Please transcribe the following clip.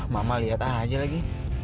mama liat aja lagi